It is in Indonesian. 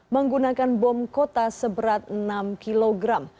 menggunakan bom kota seberat enam kg